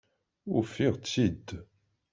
Ufiɣ-tt-id!